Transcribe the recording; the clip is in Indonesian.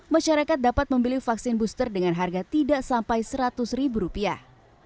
masyarakat dapat membeli vaksin booster dengan harga tidak sampai seratus ribu rupiah